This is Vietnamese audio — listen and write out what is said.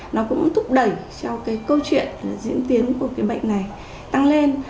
nó cũng thúc đẩy cho câu chuyện diễn tiến của bệnh này tăng lên